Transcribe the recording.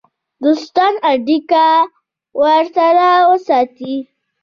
دوستانه اړیکې ورسره وساتي.